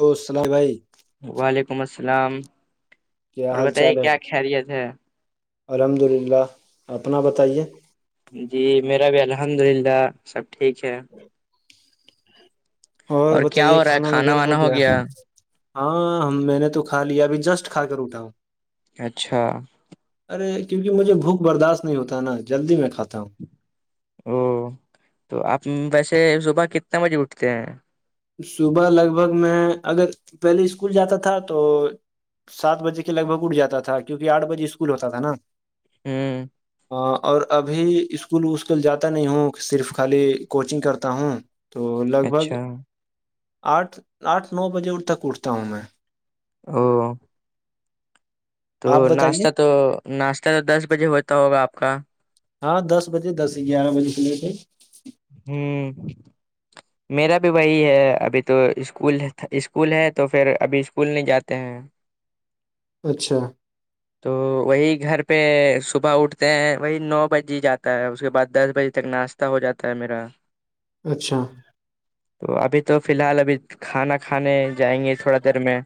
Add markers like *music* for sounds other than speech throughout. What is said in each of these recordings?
اور سناؤ بھائی وعلیکم السلام کیا اور حال بتائیے چال ہے کیا خیریت ہے الحمد للہ اپنا بتائیے جی میرا بھی الحمد للہ سب ٹھیک ہے اور کیا ہو رہا ہے کھانا وانا ہو گیا ہاں میں نے تو کھا لیا ابھی جسٹ کھا کر اٹا ہوں اچھا ارے کیونکہ مجھے بھوک برداشت ہو ہے نا جلدی میں کھاتا ہوں او تو آپ ویسے صبح کتنا بجے اٹھتے ہیں صبح لگ بھگ میں اگر پہلے اسکول جاتا تھا تو سات بجے کے لگ بگ اٹھ جاتا تھا کیکہ آٹھ بجے اسکول ہوتا تھا نا ہوں اور ابھی اسکول وسکول جاتا نہیں ہوں صرف خالی کوچنگ کرتا ہوں تو لگ بھگ اچھا آٹھ آٹھ نو بجے تک اٹھتا ہوں میں ہوں تو آپ بتائیے ناشہ تو ناشتہ تو دس بجے ہوتا ہوگا آپ کا ہاں دس بجے دس گیارہ بجے کھلے تھے ہوں میرا بھی وہی ہے ابھی تو اسکول اسکول ہے تو پھر ابھی اسکول نہیں جاتے ہیں اچھا تو وہی گھر پہ صبح اٹھتے ہیں وہی نو بج ہی جاتا ہے اس کے بعد دس بجے تک ناشتہ ہو جاتا ہے میرا اچھا تو ابھی تو فی الحال ابھی کھانا کھانے جائیں گے تھوڑا دیر میں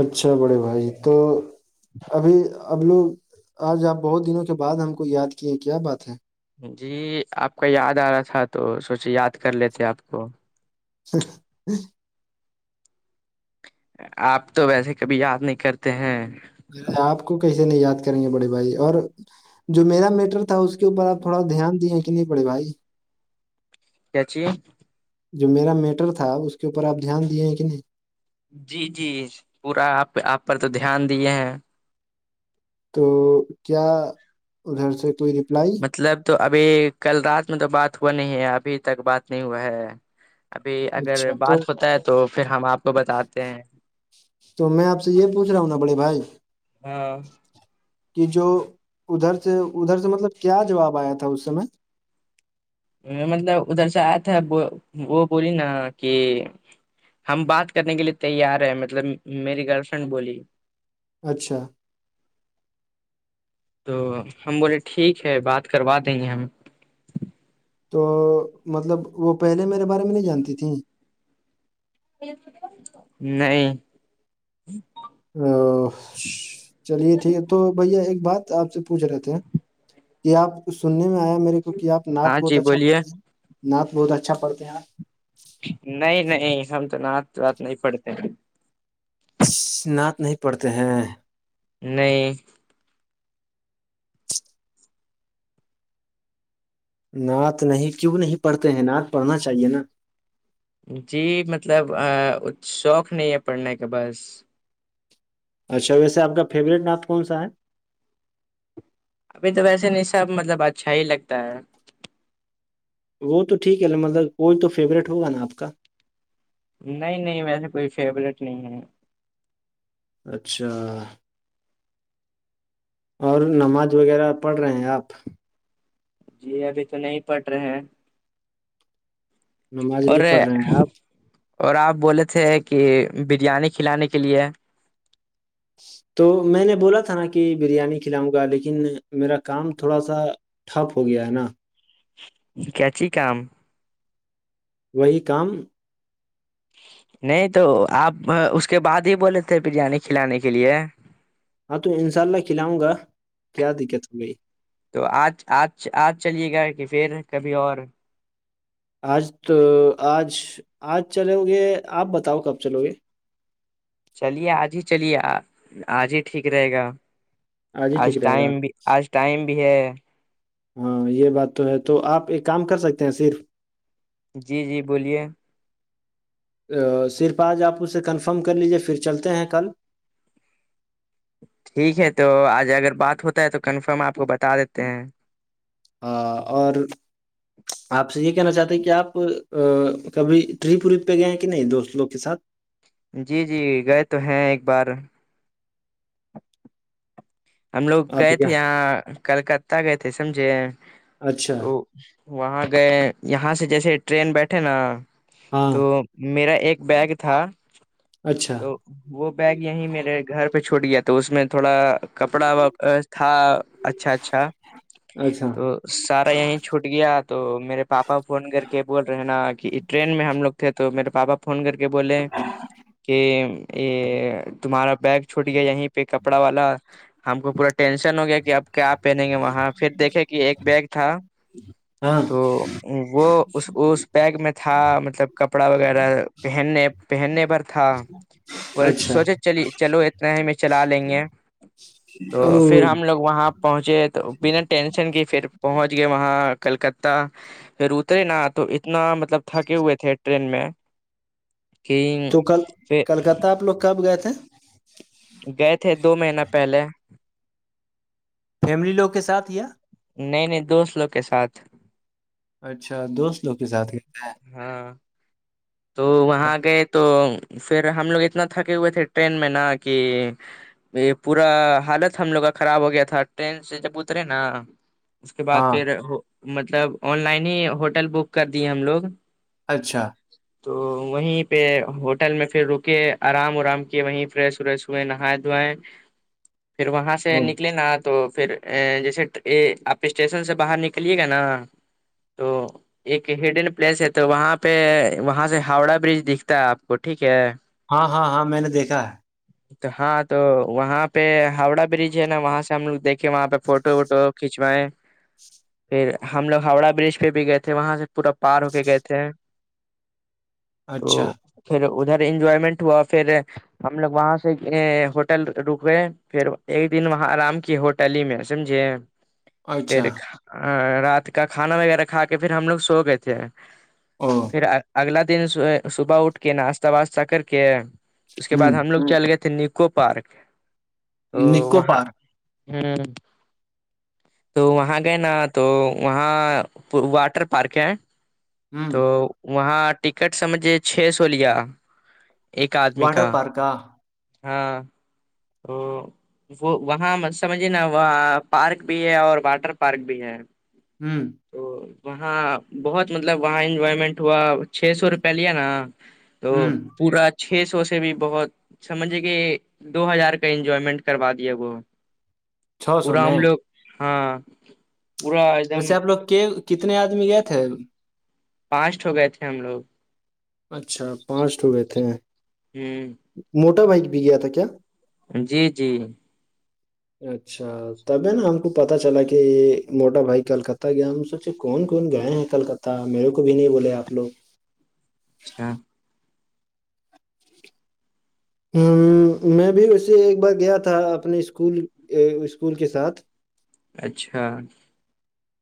اچھا بڑے بھائی تو ابھی اب لوگ آج آپ بہت دنوں کے بعد ہم کو یاد کیے کیا بات ہے جی آپ کا یاد آ رہا تھا تو سوچے یاد کر لیتے آپ کو *inaudible* آپ تو ویسے کبھی یاد نہیں کرتے ہیں آپ کو کیے نہیں یاد کریں گے بڑے بھائی اور جو میرا میٹر تھا اس کے اوپر آپ تھوڑا دھیان دیے کہ نہیں پڑے بھائی کیاچ جو میرا میٹر تھا اس کے اوپر آپ دھیان دیے ہیں کہ نہیں جی جی پورا آپ آپ پر تو دھیان دیے ہیں تو کیا ادھر سے کوئی ریپلائی مطلب تو ابھی کل رات میں تو بات ہوا نہیں ہے ابھی تک بات نہیں ہوا ہے ابھی اچھا اگر تو بات ہوتا ہے تو پھر ہم آپ کو بتاتے ہیں تو میں آ سے یہ پوھ رہا ہوں نا بڑے بھائی ہاں کہ جو ادھر سے ادھر سے مطلب کیا جواب آیا تھا اس سمے مطلب ادھر سے آیا تھا وہ بولی نا کہ ہم بات کرنے کے لیے تیار ہیں مطلب میری گرل فرینڈ بولی اچھا *unintelligible* تو ہم بولے ٹھیک ہے بات کروا دیں گے ہم تو مطلب وہ پہلے میرے بارے میں نہیں جانتی تھیں نہیں ا چلیے ٹھیک ہے تو بھیا ایک بات آپ سے پوچھ رہے تھ ہیں یہ آپ سننے میں آیا میرے کو کہ آ نت ہاں بہت جی اچھا بولیے پڑتے ہیں نعت بہت اچھا پڑھ ہیں آپ نہیں نہیں ہم تو نعت وات نہیں پڑتے اناعت نہیں پڑتے ہیں نہیں نعت نہیں کیوں نہیں پڑھتے ہیں نعت پڑھنا چاہیے نا جی مطلب شوق نہیں ہے پڑھنے کا بس اچھا ویسےپ کا فیوریٹ ناپ کون سا ہے ابھی تو ویسے نہیں سب مطلب اچھا ہی لگتا ہے وہ تو ٹھیک ہے مطلب کوئی تو فیوریٹ ہوگا نا آپ کا نہیں نہیں ویسے کوئی فیوریٹ نہیں ہے اچھا اور نماز وغیرہ پڑھ رہے ہیں آپ جی ابھی تو نہیں پڑ رہے ہیں نماز اور نہیں پڑھ رہے ہیں آپ اور آپ بولے تھے کہ بریانی کھلانے کے لیے تو میں نے بولا تھا نا کہ بریانی کھلاؤں گا لیکن میرا کام تھوڑا سا ٹھپ ہو گیا ہے نا کیاچی کام وہی کام نہیں تو آپ اس کے بعد ہی بولے تھے بریانی کھلانے کے لیے ہاں تو ان شاء اللہ کھلاؤں گا کیا دقت ہو گئی تو آج آج آج چلیے گا کہ پھر کبھی اور آج تو آج آج چلو گے آپ بتاؤ کب چلو گے چلیے آج ہی چلیے آج ہی ٹھیک رہے گا ہی آج ٹھیک رہے ٹائم گا بھی آج ٹائم بھی ہے ہاں یہ بات تو ہے تو آپ ایک کام کر سکتے ہیں صرف جی جی بولیے صرف آج آپ اسے کنفرم کر لیجیے پھر چلتے ہیں کل ٹھیک ہے تو آج اگر بات ہوتا ہے تو کنفرم آپ کو بتا دیتے ہیں ہ اور *inaudible* آپ سے یہ کہنا چاہتے ہیں کہ آپ کبھی ٹرپ ورپ پہ گئے کہ نہیں دوست لوگ کے ساتھ جی جی گئے تو ہیں ایک بار ہم لوگ آپ گئے کیا تھے یہاں کلکتہ گئے تھے سمجھے اچھا تو وہاں گئے یہاں سے جیسے ٹرین بیٹھے نا ہاں تو میرا ایک بیگ تھا اچھا تو وہ بیگ یہیں میرے گھر پہ چھوٹ گیا تو اس میں تھوڑا کپڑا تھا اچھا اچھا اچھا تو سارا یہیں چھوٹ گیا تو میرے پاپا فون کر کے بول رہے ہیں نا کہ ٹرین میں ہم لگ تھے تو میرے پاپا فون کر کے بولے کہ یہ تمہارا بیگ چھوٹ گیا یہیں پہ پہ کپڑا والا ہم کو پورا ٹینشن ہو گیا کہ اب کیا پہنیں گے وہاں پھر دیکھے کہ ایک بیگ تھا ہاں تو وہ اس اس بیگ میں تھا مطلب کپڑا وغیرہ پہننے پہننے پر تھا بولے اچھا سوچے چلی چلو اتنا ہی میں چلا لیں گے او تو پھر ہم لوگ وہاں پہنچے تو بنا ٹینشن کے پھر پہنچ گئے وہاں کلکتہ پھر اترے نا تو اتنا مطلب تھکے ہوئے تھے ٹرین میں کہ تو کل چ کلکتہ آپ لوگ کب گئے تھے گئے تھے دو مہینہ پہلے فیملی لوگ کے ساتھ یا نہیں نہیں دوست لوگ کے ساتھ اچھا دوست لوگ کے ساتھ گتے ہیں ہاں تو وہاں گئے تو پھر ہم لوگ اتنا تھکے ہوئے تھے ٹرین میں نا کہ یہ پورا حالت ہم لوگ کا خراب ہو گیا تھا ٹرین سے جب اترے نا اس کے بعد ہاں پھر مطلب آن لائن ہی ہوٹل بک کر دیے ہم لوگ اچھا تو وہیں پہ ہوٹل میں پھر رکے آرام ارام کیے وہیں فریش وریش ہوئے نہائے دھوائے پھر وہاں سے او نکلے نا تو پھر ا جیسے آپ اسٹیشن سے باہر نکلیے گا نا تو ایک ہڈن پلیس ہے تو وہاں پہ وہاں سے ہاوڑا برج دکھتا ہے آپ کو ٹھیک ہے ہاں ہاں ہاں میں نے دیکھا ہے *inaudible* تو ہاں تو وہاں پہ ہاوڑا برج ہے نا وہاں سے ہم لوگ دیکھے وہاں پہ فوٹو ووٹو کھینچوائے پھر ہم لوگ ہاوڑا برج پہ بھی گئے تھے وہاں سے پورا پار ہو کے گئے تھے اچھا تو پھر ادھر انجوائمنٹ ہوا پھر ہم لوگ وہاں سے ہوٹل رکئے پھر ایک دن وہاں آرام کیے ہوٹل ہی میں سمجے اچھا پھر رات کا کھانا وغیرہ کھا کے پھر ہم لوگ سو گئے تھے او پھر اگلا دن صبح اٹ کے ناشتہ واسہ کر کے اس کے بعد ہوں ہم لوگ چل گئے تھے نکو پارک تو نکو وہاں پارک ہوں تو وہاں گئے نا تو وہاں واٹر پارک ہے ہوں تو وہاں ٹکٹ سجھے چھ سو لیا ایک آدمی کا واٹر پارک ہاں تو وہ وہاں سمجھیے نا وہ پارک بھی ہے اور واٹر پارک بھی ہے ہوں تو وہاں بہت مطلب وہاں انجوائمنٹ ہوا چھ سو روپیہ لیا نا تو ہوں پورا چھ سو سے بھی بہت سمجھے کہ دو ہزار کا انجوائمنٹ کروا دیا وہ چھ سو پورا ہم میں لوگ ہاں پورا ایک دم ویسے آپ لوگ کے کتنے آدمی گئے تھے پانچٹ ہو گئے تھے ہم لوگ اچھا پانچ ہو گئے تھے ہ موٹا بائک بھی گیا تھا کیا جی جی اچھا تب ہے نا ہم کو پتا چلا کہ موٹا بھائی کلکتہ گیا ہم سے مھ کون کون گئے ہیں کلکتہ میرے کو بھی نہیں بولے آ لوگ اچھا ہ میں بھی ویے ایک بار گیا تھا اپنے اسکول اسکول کے ساتھ اچھا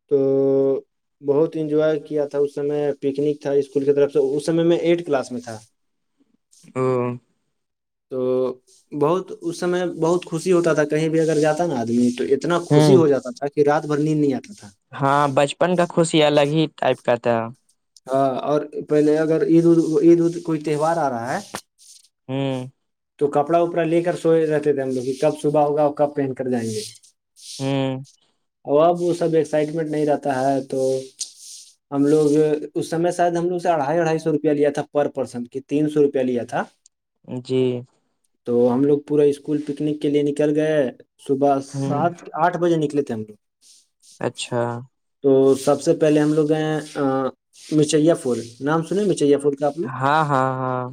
تو بہت انجوائے کیا تھا اسمے پکنک تھا اسکول کی طرف سے اس سمے میں ایٹھ کلاس میں تھا او تو بہت اس سمے بہت خوشی ہوتا تھا کہیں بھی اگر جاتا نا آدمی تو اتنا خوشی ہوں ہو جاتا تھا کہ رات بھر نیند نہیں آتا تھا ہاں بچپن کا خوش ہی الگ ہی ٹائپ کا تھا ہاں اور پہلے اگر عید عید ا کوئی تہوار آ رہا ہے ہوں تو کپڑا وپڑا لے کر سوئے رہتے تھے ہم لوگ کب صبح ہوگا اور کب پہن کر جائیں گے ہوں اب اب وہ سب ایکسائٹمنٹ نہیں رہتا ہے تو ہم لوگ اس سمے شاید ہم لوگ سے اھائی اڑھائی سو روپیہ لیا تھا پر پرسن تین سو روپیہ لیا تھا جی تو ہم لوگ پورا اسکول پکنک کے لیے نکل گئے صبح ہوں سات آٹھ بجے نکلے تھے ہم لوگ اچھا تو سب سے پہلے ہم لوگ ہیں مچیا پل نام سنے مچیا پول جپلو ہاں ہاں ہاں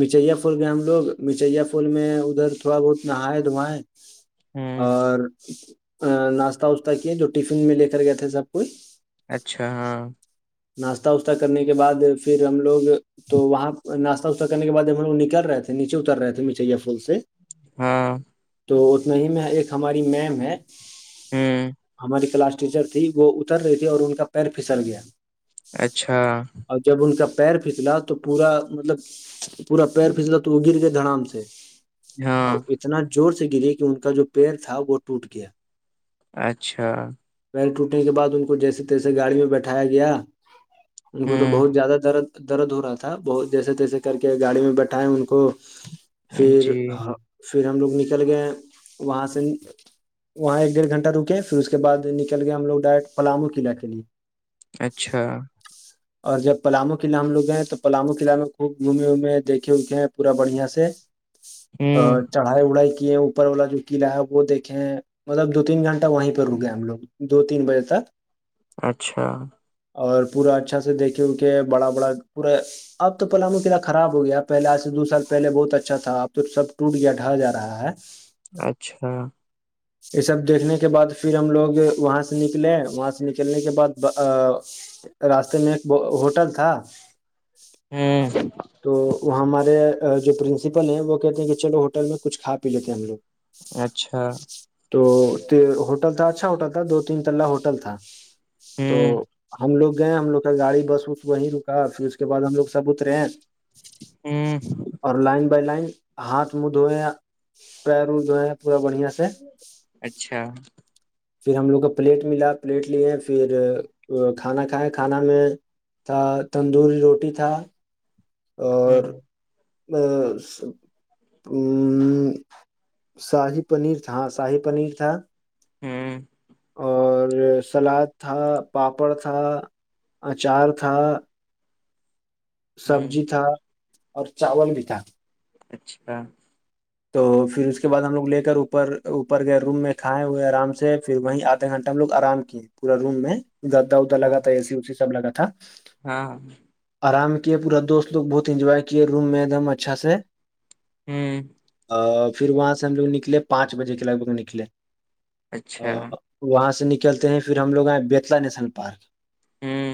مچیا پھول گئے ہم لوگ مچھیا پھول میں ادھر تھوڑا بہت نہائے دھوائے ہوں اور ناشتہ وشہ کی ہے جو ٹفن میں لے کر گئے تھے سب کچھ اچھا ہاں ناشہ وسہ کرنے کے بعد پھر ہم لوگ تو وہاں ناس س کرنے بعد ہم وہ نکلے تھے نیچے اترے تھے میچھیا پھول سے ہاں تو اتنا ہی میں ایک ہماری میم ہے ہوں ہماری کلاس ٹیچر تھی وہ اتر رہی تھی اور ان کا پیر پھسل گیا اچھا اور جب ان کا پیر پھیسلا تو پورا مطلب پورا پیر پھسلا تو وہ گر گئے دھڑام سے اور ہاں اتنا زور سے گری کہ ان کا جو پیر تھا وہ ٹوٹ گیا اچھا پیر ٹوٹنے کے بعد ان کو جیسے تیسے گاڑی میں بیٹھایا گیا *inaudible* ان کو تو بہت ہوں زیادہ درد درد ہو رہا تھا بہت جیسے تیسے کر کے گاڑی میں بیٹھائے ان کو *inaudible* پھر جی پھر ہم لوگ نکل گئے وہاں سے وہاں ایک ڈیڑ گھنٹ رکے پھر اس کے بع نکل گیا ہم لوگ ڈائریکٹ پلامو قلع کے لیے اچھا اور جب پلامو قلعہ ہم لوگ گئے تو پلامو قلعہ میں خوب گھومے وومے دیکھے اکھے ہیں پورا بڑھیا سے ا ہوں چڑھائی وڑھائی کیے اوپر والا جو قلعہ ہے وہ دیکھے ہیں مطلب دو تین گھنٹہ وہیں پہ رکےئے ہم لوگ دو تین بجے تک اچھا اور پورا اچھا سے دیکھے ان کے بڑا بڑا پورا اب تو پلامو قع خراب ہو گیا پہل آج سے دو سال پہلے بہت اچھا تھا اب تو سب ٹوٹ گیا ڈھا جا رہا ہے *inaudible* اچھا یہ سب دیکھنے کے بعد پھر ہم لوگ وہاں سے نکلے وہاں سے نکلنے کے بعد راستے میں ایک ہوٹل تھا ہوں تو وہاں ہمارے جو پرنسپل ہیں وہ کہتے ہیں کہ چلو ہوٹل میں کچھ کھا پی لیتے ہیں ہم لوگ اچھا تو ہوٹل تھا اچھا ہوٹل تھا دو تین تلا ہوٹل تھا تو ہوں ہم لوگ گئے ہم لوگ کا گاڑی بس ا وہیں رکا پھر اس کے بعد ہم لوگ سب اترے ہیں ہوں اور لائن بائی لائن ہاتھ منہ دھوئے پیر دھوئے ہیں پورا بڑھیا سے اچھا پھر ہم لوگ کو پلیٹ ملا پلیٹ لیے پھر کھانا کھائے کھانا میں تھا تندوری روٹی تھا اور ہوں *inaudible* شاہیب پنیر تھا ہاں شاہیب پنیر تھا ہوں اور سلاد تھا پاپڑ تھا اچار تھا ہوں سبزی تھا اور چاول بھی تھا اچھا تو پھر اس کے بعد ہم لوگ لے کر اوپر اوپر گئے بڈروم میں کھائے ہوئے آرام سے پھر وہیں آدھے گھنٹہ ہم لوگ آرام پورا روم میں گدا ادا لگا تھا اے سی ا س سب لگا تھا ہاں ہاں آرام کیے پورا دوست لوگ بہت انجوائے کیے روم میں ایک دم اچھا سے ہوں پھر وہاں سے ہم لوگ نکلے پانچ بجے کے لگ بھگ نکلے اچھا وہاں سے نکلتے ہیں پھر ہم لوگ آئے بیتلا نیشنل پارک ہوں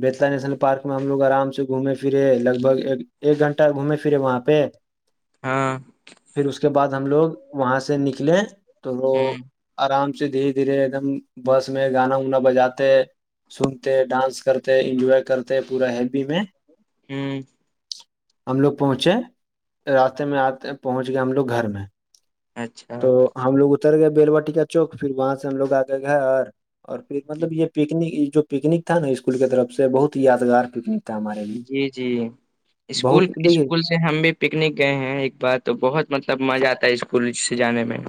بیت نیشنل پارک میں ہم لوگ آرام سے گھومے پھرے لگ بھگ ایک ایک گھنٹہ گھومے پھرے وہاں پہ ہاں پھر اس کے بعد ہم لوگ وہاں سے نکلے تو وہ ہوں آرام سے دھیرے دھیرے ایک دم بس میں گانا وانا بجاتے سنتے ڈانس کرتے انجوائے کرتے پورا ہی میں ہوں ہم لوگ پہنچے راستے میں آتے پہنچ گیا ہم لوگ گھر میں اچھا تو ہم لوگ اتر گئے بیلواٹی کا چوک پھر وہاں سے ہم لوگ آ کے گھر اور پھر مطلب یہ پکنک جو پکنک تھا نا اسکول کے طرف سے بہت یادگار پکنک تھا ہمارے لیے جی جی اسکول بہت دیکھیے اسکول سے ہم بھی پکنک گئے ہیں ایک بار تو بہت مطلب مزہ آتا ہے اسکول سے جانے میں